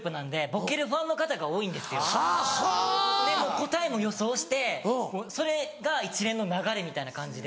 答えも予想してそれが一連の流れみたいな感じで。